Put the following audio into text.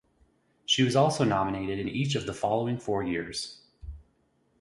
She was also nominated in each of the following four years.